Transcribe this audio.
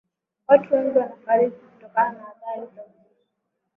watu wengi wanafariki kutokana na athari za ukimwi